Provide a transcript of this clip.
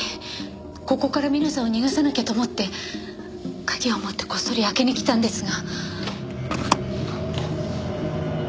ここから皆さんを逃がさなきゃと思って鍵を持ってこっそり開けにきたんですが。